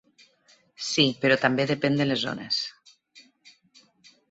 Sí, però també depèn de les zones.